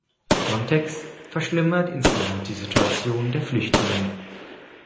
Frontex verschlimmert insgesamt die Situation der Flüchtlinge.